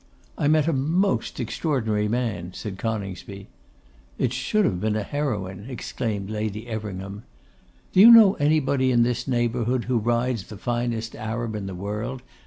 'I met a most extraordinary man,' said Coningsby. 'It should have been a heroine,' exclaimed Lady Everingham. 'Do you know anybody in this neighbourhood who rides the finest Arab in the world?